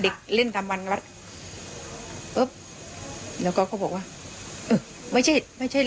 เด็กเล่นทำวันวัดปุ๊บแล้วเขาก็บอกว่าเออไม่ใช่ไม่ใช่